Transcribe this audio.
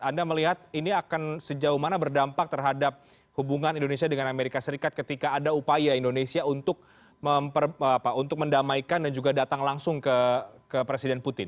anda melihat ini akan sejauh mana berdampak terhadap hubungan indonesia dengan amerika serikat ketika ada upaya indonesia untuk mendamaikan dan juga datang langsung ke presiden putin